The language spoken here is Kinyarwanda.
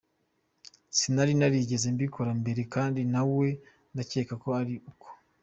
Sinari narigeze mbikora mbere kandi na we ndakeka ko ari uko.